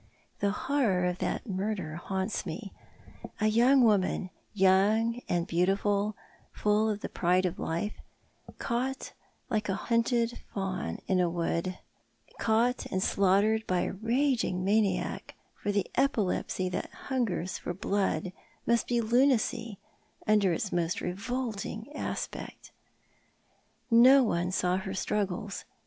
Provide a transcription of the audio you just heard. The horror of that murder haunts me— a young woman, young and beautiful, full of the pride of life, caught like a hunted fawn in a wood, caught and slaughtered by a raging maniac— for the epilepsy that hungers for blood must be lunacy under its most revolting aspect. No one saw her struggles.